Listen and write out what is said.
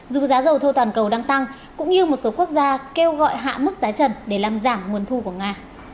dù giá dầu thô toàn cầu đang tăng cũng như một số quốc gia kêu gọi hạ mức giá trần để làm giảm nguồn thu của nga